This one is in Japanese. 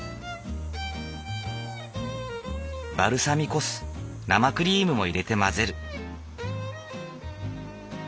バルサミコ酢生クリームも入れて混ぜる。